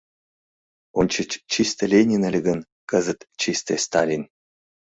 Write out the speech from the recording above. Ончыч чисте Ленин ыле гын, кызыт — чисте Сталин.